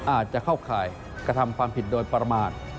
อาจจะเข้าข่ายกระทำความผิดโดยประมาท